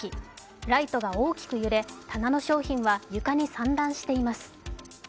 ライトが大きく揺れ、棚の商品は床に散乱しています。